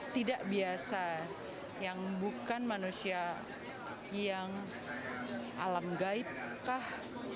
tidak biasa yang bukan manusia yang alam gaib kah